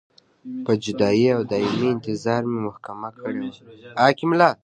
په جدایۍ او دایمي انتظار مې محکومه کړې وې.